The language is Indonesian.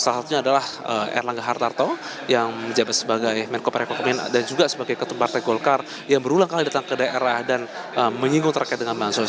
salah satunya adalah erlangga hartarto yang menjabat sebagai menko perekonomian dan juga sebagai ketua partai golkar yang berulang kali datang ke daerah dan menyinggung terkait dengan bansos